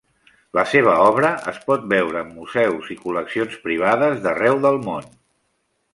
La seva obra es pot veure en museus i col·leccions privades d'arreu del món.